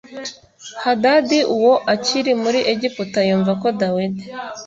Hadadi uwo akiri muri Egiputa yumva ko Dawidi